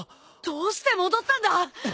どうして戻ったんだ！？